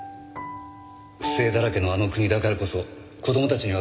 不正だらけのあの国だからこそ子供たちには正義を知ってほしい。